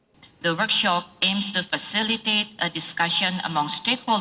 ketua presiden indonesia pak bapak ibu mengatakan